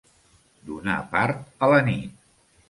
Donar part a la nit.